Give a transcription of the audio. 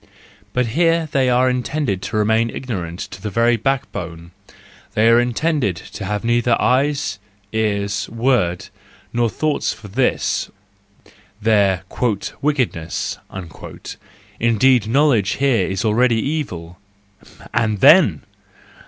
But here they are intended to remain ignorant to the very backbone:—they are intended to have neither eyes, ears, words, nor thoughts for this, their " wickedness "; indeed knowledge here is already evil. And then!